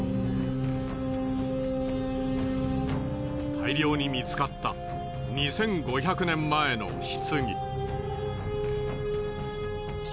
大量に見つかった２５００年前の棺。